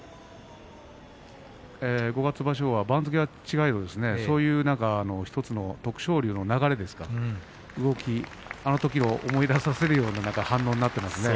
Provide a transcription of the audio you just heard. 五月場所は番付は違えどそんな徳勝龍の流れといいますかあのときを思い出させるような反応になっていますね。